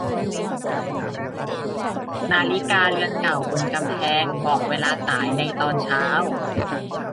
นาฬิกาเรือนเก่าบนกำแพงบอกเวลาสายในตอนเช้า